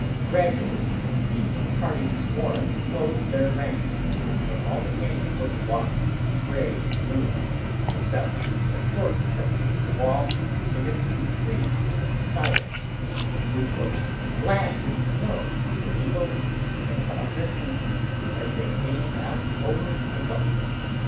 Gradually the hearty swarms closed their ranks, and all the cañon was lost in gray bloom except a short section of the wall and a few trees beside us, which looked glad with snow in their needles and about their feet as they leaned out over the gulf.